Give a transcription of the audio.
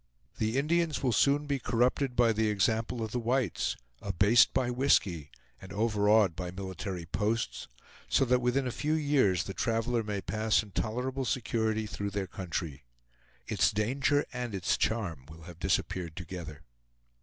The Indians will soon be corrupted by the example of the whites, abased by whisky, and overawed by military posts; so that within a few years the traveler may pass in tolerable security through their country. Its danger and its charm will have disappeared together.